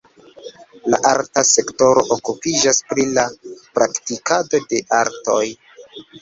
La arta sektoro okupiĝas pri la praktikado de artoj.